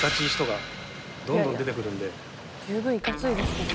十分いかついですけど。